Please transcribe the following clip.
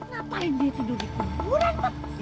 ngapain dia tidur di buruan pak